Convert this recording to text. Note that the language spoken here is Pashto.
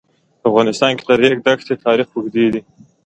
په افغانستان کې د د ریګ دښتې تاریخ اوږد دی.